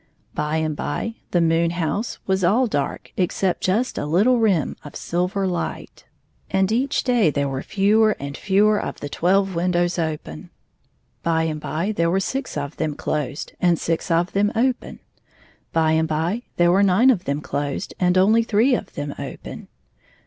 By and by the moon house was all dark except just a little rim of silver light. 64 And each day there were fewer and fewer of the twelve windows open. By and. by there were six of them closed and six of them open. By and by there were nine of them closed and only three of them open.